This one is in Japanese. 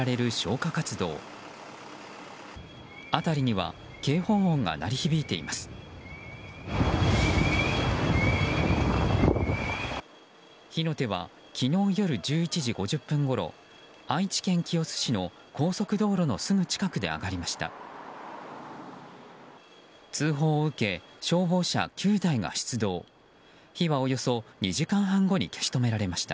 火の手は昨日夜１１時５０分ごろ愛知県清須市の高速道路のすぐ近くで上がりました。